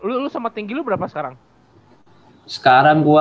oh lu sama tinggi lu berapa sekarang